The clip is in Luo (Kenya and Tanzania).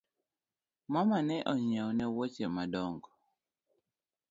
Mama ne onyieo na woche madong’o